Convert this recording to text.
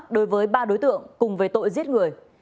đối với ba đối tượng cùng về tội giết người